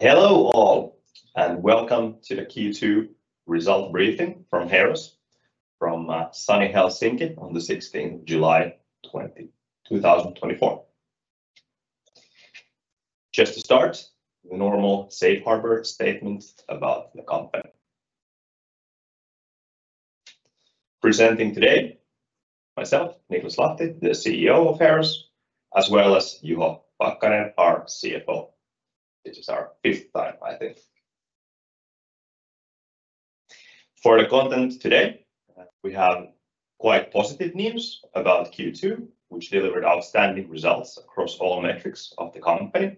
Hello all, and welcome to the Q2 result briefing from Heeros, from sunny Helsinki on the 16th July, 2024. Just to start, the normal safe harbor statement about the company. Presenting today, myself, Niklas Lahti, the CEO of Heeros, as well as Juho Pakkanen, our CFO. This is our fifth time, I think. For the content today, we have quite positive news about Q2, which delivered outstanding results across all metrics of the company,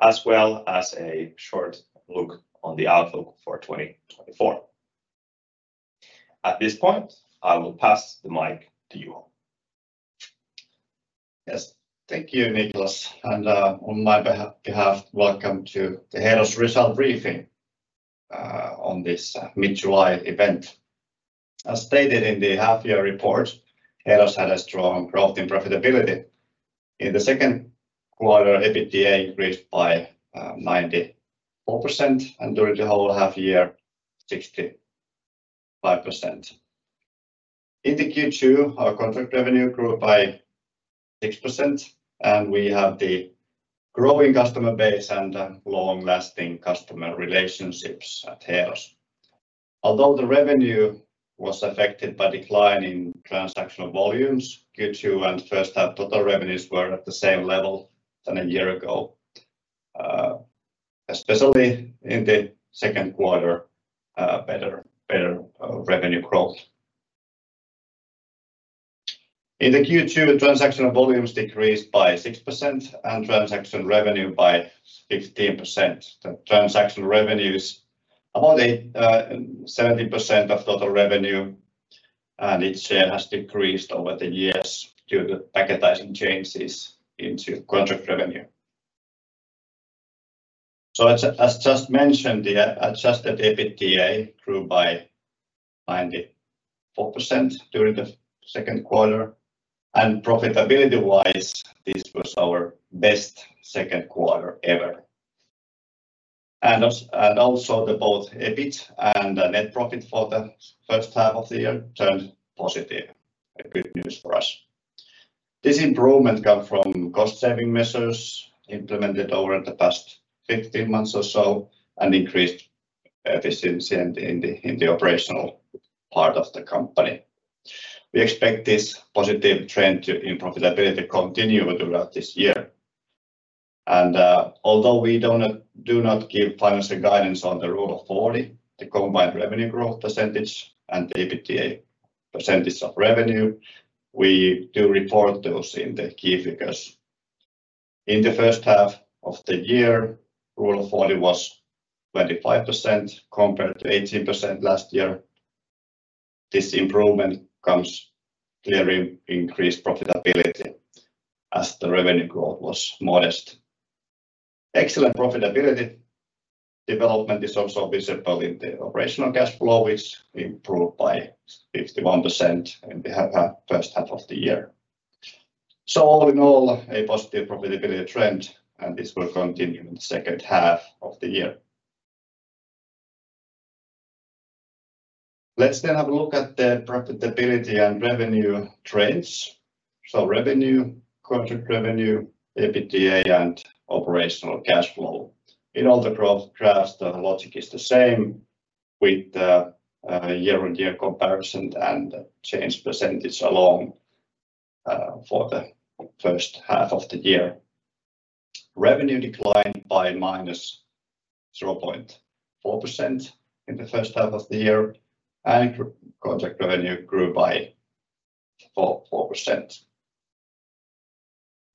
as well as a short look on the outlook for 2024. At this point, I will pass the mic to Juho. Yes. Thank you, Niklas, and, on my behalf, welcome to the Heeros Result Briefing, on this mid-July event. As stated in the half year report, Heeros had a strong growth in profitability. In the second quarter, EBITDA increased by 94%, and during the whole half year, 65%. In the Q2, our contract revenue grew by 6%, and we have the growing customer base and long-lasting customer relationships at Heeros. Although the revenue was affected by decline in transactional volumes, Q2 and first half, total revenues were at the same level than a year ago, especially in the second quarter, better revenue growth. In the Q2, transactional volumes decreased by 6% and transaction revenue by 16%. The transaction revenue is about seventy percent of total revenue, and its share has decreased over the years due to the packetizing changes into contract revenue. So as just mentioned, the adjusted EBITDA grew by 94% during the second quarter, and profitability-wise, this was our best second quarter ever. And also the both EBIT and net profit for the first half of the year turned positive, a good news for us. This improvement come from cost-saving measures implemented over the past 15 months or so, and increased efficiency in the operational part of the company. We expect this positive trend to in profitability continue throughout this year. And although we do not give financial guidance on the Rule of 40, the combined revenue growth percentage and the EBITDA percentage of revenue, we do report those in the key figures. In the first half of the year, Rule of 40 was 25% compared to 18% last year. This improvement comes clearly increased profitability as the revenue growth was modest. Excellent profitability development is also visible in the operational cash flow, which improved by 51% in the first half of the year. So all in all, a positive profitability trend, and this will continue in the second half of the year. Let's then have a look at the profitability and revenue trends. So revenue, contract revenue, EBITDA, and operational cash flow. In all the growth graphs, the logic is the same with the year-on-year comparison and change percentage along for the first half of the year. Revenue declined by -0.4% in the first half of the year, and contract revenue grew by 4%.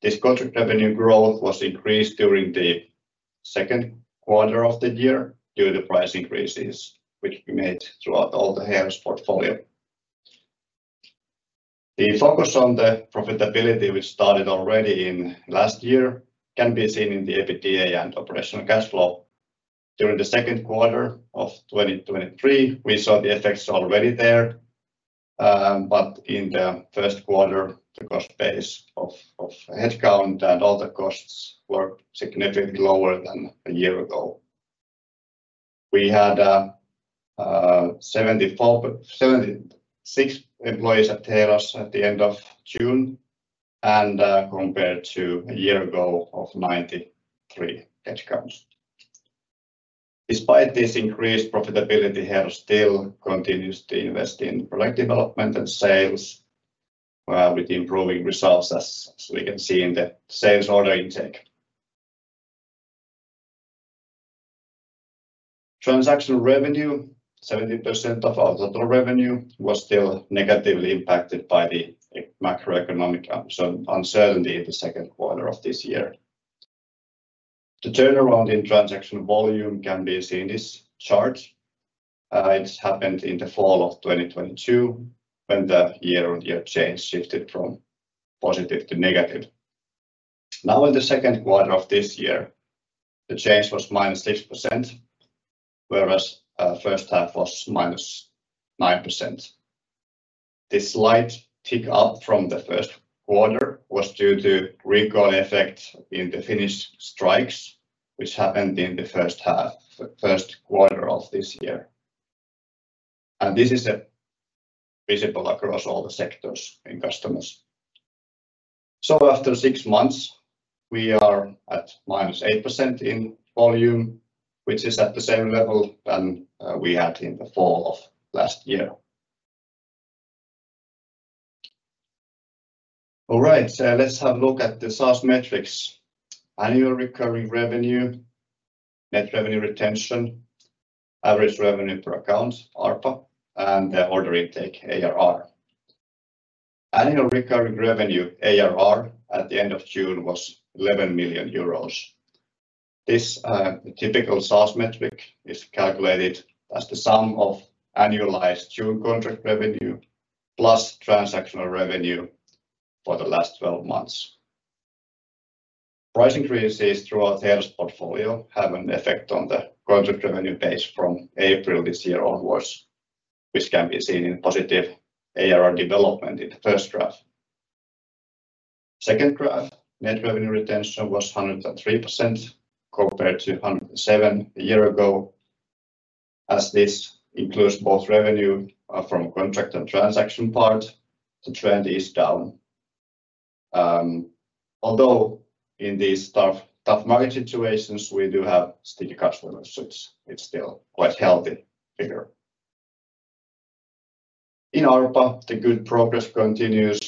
This contract revenue growth was increased during the second quarter of the year due to price increases, which we made throughout all the Heeros portfolio. The focus on the profitability, which started already in last year, can be seen in the EBITDA and operational cash flow. During the second quarter of 2023, we saw the effects already there, but in the first quarter, the cost base of headcount and all the costs were significantly lower than a year ago. We had 74-76 employees at Heeros at the end of June, and compared to a year ago of 93 headcounts. Despite this increased profitability, Heeros still continues to invest in product development and sales with improving results, as we can see in the sales order intake. Transaction revenue, 70% of our total revenue, was still negatively impacted by the macroeconomic uncertainty in the second quarter of this year. The turnaround in transaction volume can be seen in this chart. It happened in the fall of 2022, when the year-on-year change shifted from positive to negative. Now, in the second quarter of this year, the change was -6%, whereas first half was -9%. This slight tick up from the first quarter was due to recall effect in the Finnish strikes, which happened in the first half, the first quarter of this year. This is visible across all the sectors and customers. So after 6 months, we are at -8% in volume, which is at the same level than we had in the fall of last year. All right, so let's have a look at the SaaS metrics: Annual Recurring Revenue, Net Revenue Retention, Average Revenue per Account, ARPA, and the Order Intake, ARR. Annual Recurring Revenue, ARR, at the end of June was 11 million euros. This typical SaaS metric is calculated as the sum of annualized June contract revenue plus transactional revenue for the last twelve months. Price increases throughout the Heeros portfolio have an effect on the contract revenue base from April this year onwards, which can be seen in positive ARR development in the first graph. Second graph, Net Revenue Retention was 103%, compared to 107% a year ago. As this includes both revenue from contract and transaction part, the trend is down. Although in these tough, tough market situations, we do have sticky customers, so it's, it's still quite healthy figure. In ARPA, the good progress continues,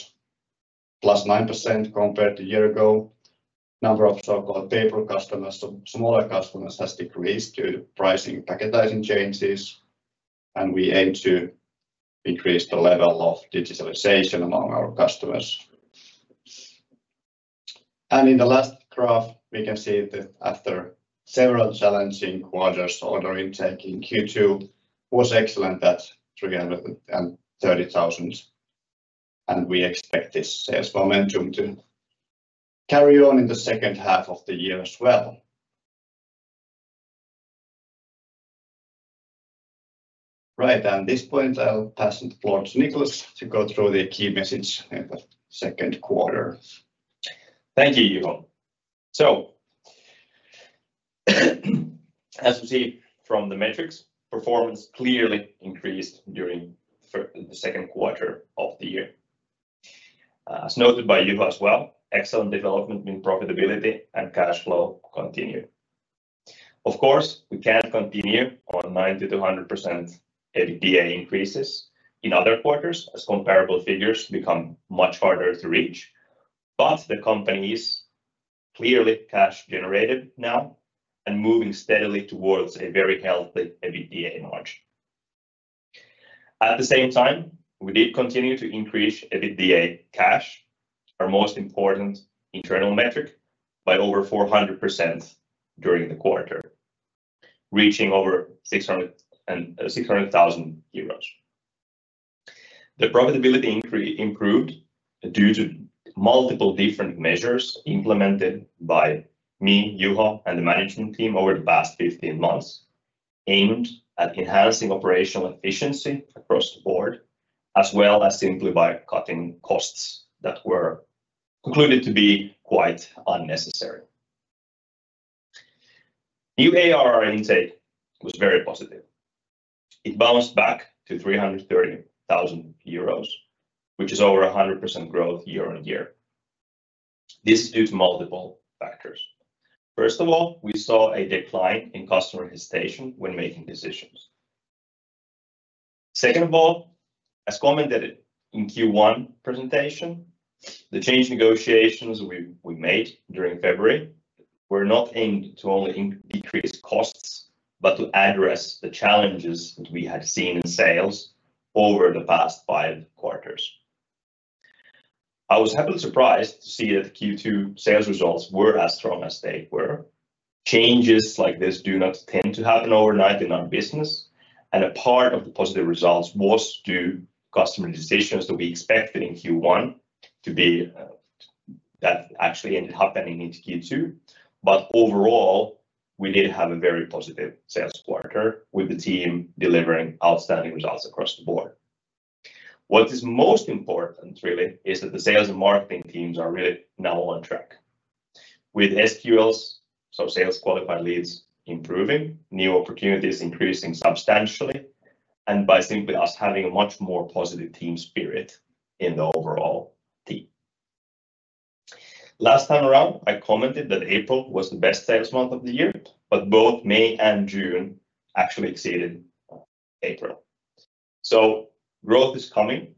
+9% compared to year ago. Number of so-called tail customers, so smaller customers, has decreased due to pricing, packaging changes, and we aim to increase the level of digitalization among our customers. In the last graph, we can see that after several challenging quarters, order intake in Q2 was excellent at 330,000, and we expect this sales momentum to carry on in the second half of the year as well. Right, at this point, I'll pass the floor to Niklas to go through the key message in the second quarter. Thank you, Juho. So, as you see from the metrics, performance clearly increased during the second quarter of the year. As noted by Juho as well, excellent development in profitability and cash flow continued. Of course, we can't continue on 90% to 100% EBITDA increases in other quarters, as comparable figures become much harder to reach, but the company is clearly cash generative now and moving steadily towards a very healthy EBITDA margin. At the same time, we did continue to increase EBITDA cash, our most important internal metric, by over 400% during the quarter, reaching over EUR 600,000. The profitability improved due to multiple different measures implemented by me, Juho, and the management team over the past 15 months, aimed at enhancing operational efficiency across the board, as well as simply by cutting costs that were concluded to be quite unnecessary. New ARR intake was very positive. It bounced back to 330,000 euros, which is over 100% growth year-on-year. This is due to multiple factors. First of all, we saw a decline in customer hesitation when making decisions. Second of all, as commented in Q1 presentation, the change negotiations we made during February were not aimed to only decrease costs, but to address the challenges that we had seen in sales over the past five quarters. I was happily surprised to see that Q2 sales results were as strong as they were. Changes like this do not tend to happen overnight in our business, and a part of the positive results was due customer decisions that we expected in Q1 to be, that actually ended up happening in Q2. But overall, we did have a very positive sales quarter, with the team delivering outstanding results across the board. What is most important, really, is that the sales and marketing teams are really now on track with SQLs, so Sales Qualified Leads, improving, new opportunities increasing substantially, and by simply us having a much more positive team spirit in the overall team. Last time around, I commented that April was the best sales month of the year, but both May and June actually exceeded April. So growth is coming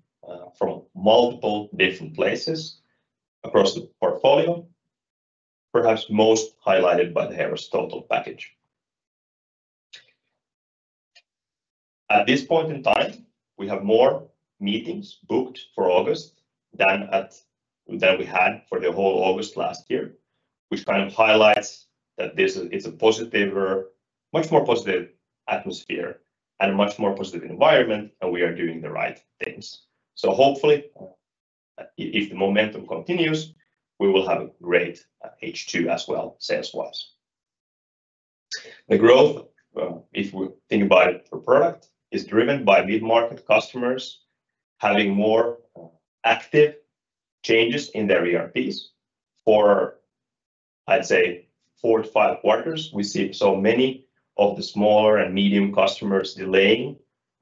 from multiple different places across the portfolio, perhaps most highlighted by the Heeros total package. At this point in time, we have more meetings booked for August than than we had for the whole August last year, which kind of highlights that this is it's a positive, much more positive atmosphere and a much more positive environment, and we are doing the right things. So hopefully, if the momentum continues, we will have a great H2 as well, sales-wise. The growth, if we think about it per product, is driven by mid-market customers having more active changes in their ERPs. For, I'd say, four to five quarters, we see so many of the smaller and medium customers delaying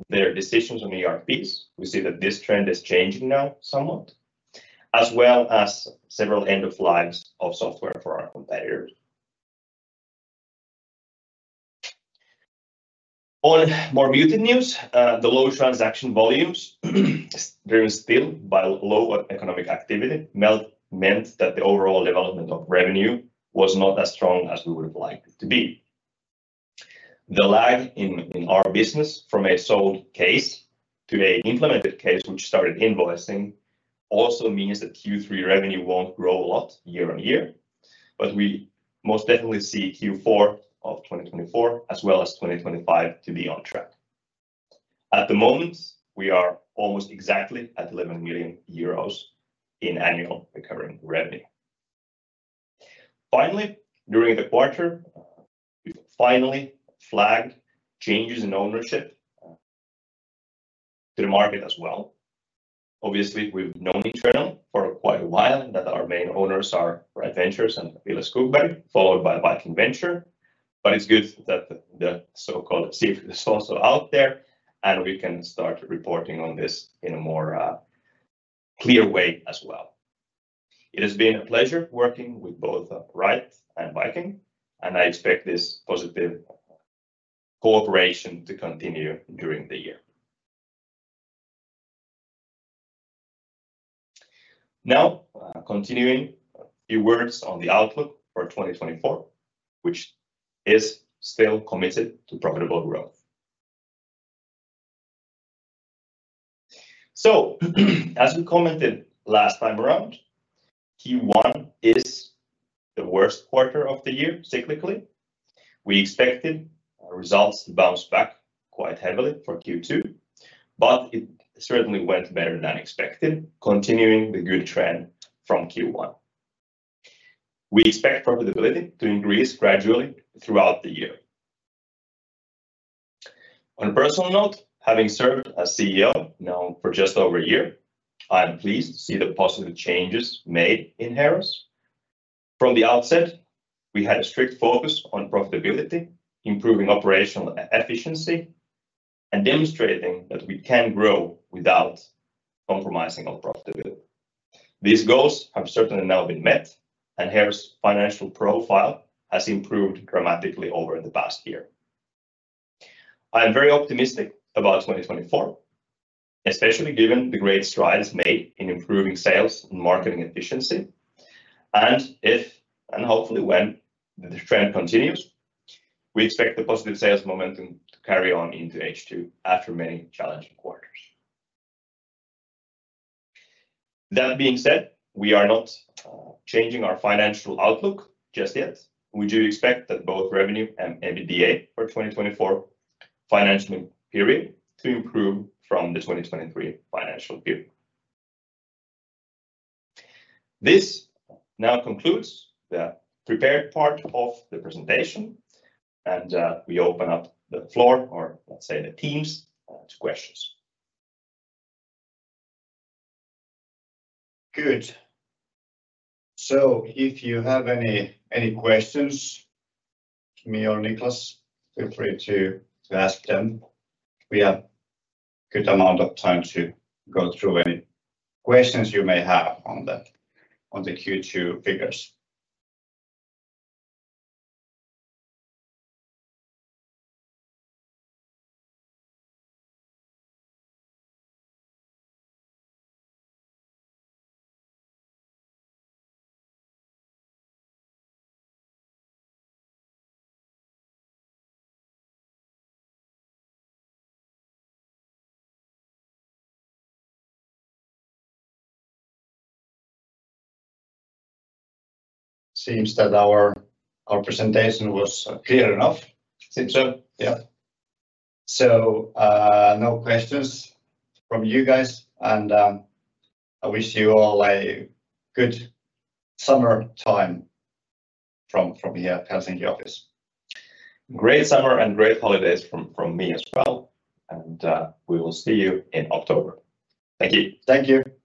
their decisions on ERPs. We see that this trend is changing now somewhat, as well as several end of lives of software for our competitors. On more muted news, the low transaction volumes is driven still by low economic activity. Meant that the overall development of revenue was not as strong as we would have liked it to be. The lag in our business from a sold case to the implemented case, which started invoicing, also means that Q3 revenue won't grow a lot year-on-year, but we most definitely see Q4 of 2024, as well as 2025 to be on track. At the moment, we are almost exactly at 11 million euros in annual recurring revenue. Finally, during the quarter, we finally flagged changes in ownership to the market as well. Obviously, we've known internally for quite a while that our main owners are Rite Ventures and Ville Skogberg, followed by Viking Venture. But it's good that the so-called secret is also out there, and we can start reporting on this in a more clear way as well. It has been a pleasure working with both, Rite and Viking, and I expect this positive cooperation to continue during the year. Now, continuing, a few words on the outlook for 2024, which is still committed to profitable growth. So as we commented last time around, Q1 is the worst quarter of the year, cyclically. We expected our results to bounce back quite heavily for Q2, but it certainly went better than expected, continuing the good trend from Q1. We expect profitability to increase gradually throughout the year. On a personal note, having served as CEO now for just over a year, I'm pleased to see the positive changes made in Heeros. From the outset, we had a strict focus on profitability, improving operational efficiency, and demonstrating that we can grow without compromising on profitability. These goals have certainly now been met, and Heeros' financial profile has improved dramatically over the past year. I am very optimistic about 2024, especially given the great strides made in improving sales and marketing efficiency. And if, and hopefully when, the trend continues, we expect the positive sales momentum to carry on into H2 after many challenging quarters. That being said, we are not changing our financial outlook just yet. We do expect that both revenue and EBITDA for 2024 financial period to improve from the 2023 financial period. This now concludes the prepared part of the presentation, and we open up the floor, or let's say the Teams, to questions. Good. So if you have any questions to me or Niklas, feel free to ask them. We have good amount of time to go through any questions you may have on the Q2 figures. Seems that our presentation was clear enough. Seems so, yeah. So, no questions from you guys, and I wish you all a good summer time from here, Helsinki office. Great summer and great holidays from me as well, and we will see you in October. Thank you. Thank you.